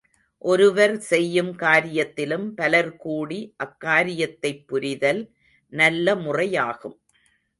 ஒருவர் செய்யும் காரியத்திலும் பலர் கூடி அக்காரியத்தைப் புரிதல் நல்லமுறையாகும்.